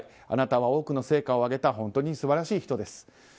あなたは多くの成果を上げた本当に素晴らしい人です。